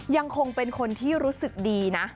ยังคงเป็นคนที่รู้สึกดีนะ